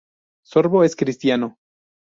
Sorbo es cristiano.